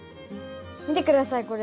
見て下さいこれ。